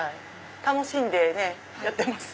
楽しんでやってます。